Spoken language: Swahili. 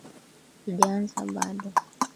Sijaanza bado